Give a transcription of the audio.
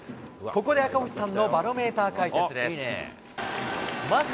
ここで赤星さんのバロメーター解説です。